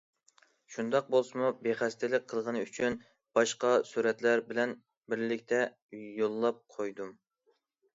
شۇنداق بولسىمۇ، بىخەستەلىك قىلغىنى ئۈچۈن باشقا سۈرەتلەر بىلەن بىرلىكتە يوللاپ قويدۇم.